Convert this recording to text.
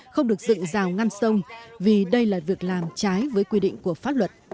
không được dựng rào ngăn sông vì đây là việc làm trái với quy định của pháp luật